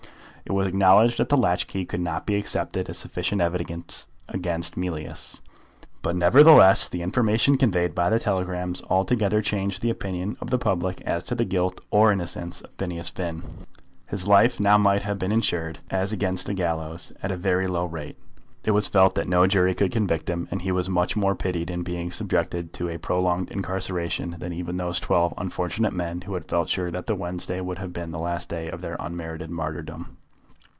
It was acknowledged that the latch key could not be accepted as sufficient evidence against Mealyus. But nevertheless the information conveyed by the telegrams altogether changed the opinion of the public as to the guilt or innocence of Phineas Finn. His life now might have been insured, as against the gallows, at a very low rate. It was felt that no jury could convict him, and he was much more pitied in being subjected to a prolonged incarceration than even those twelve unfortunate men who had felt sure that the Wednesday would have been the last day of their unmerited martyrdom.